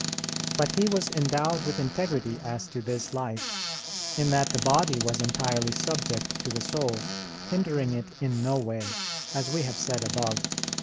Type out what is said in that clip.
But he was endowed with integrity as to this life, in that the body was entirely subject to the soul, hindering it in no way, as we have said above (A.